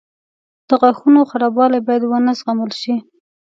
• د غاښونو خرابوالی باید ونه زغمل شي.